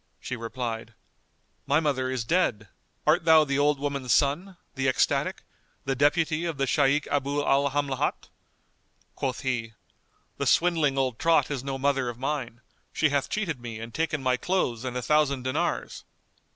She replied, "My mother is dead, art thou the old woman's son, the ecstatic, the deputy of the Shaykh Abu al Hamlat?" Quoth he, "The swindling old trot is no mother of mine; she hath cheated me and taken my clothes and a thousand dinars."